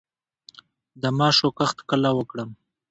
د ماشو کښت کله وکړم؟